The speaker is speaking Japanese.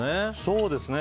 そうですね。